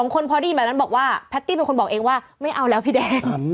๒คนพอดีเหมือนกันบอกว่าพาตี้เป็นคนบอกเองว่าไม่เอาแล้วพี่แดน